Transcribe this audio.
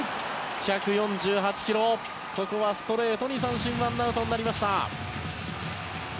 １４８キロ、ここはストレートに三振でワンアウトになりました。